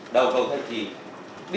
đầu cầu thách trì